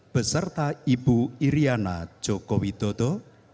beserta ibu iryana joko widodo